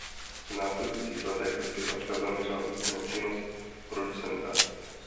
V následujících letech se zpěvačka zaměřila více na činnost producenta.